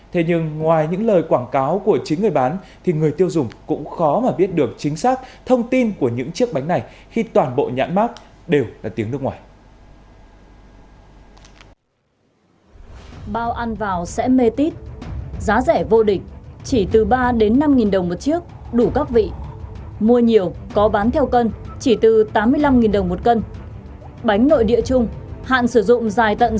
thế nhưng ngoài những lời quảng cáo của chính người bán thì người tiêu dùng cũng khó mà biết được chính xác thông tin của những chiếc bánh này khi toàn bộ nhãn mát đều là tiếng nước ngoài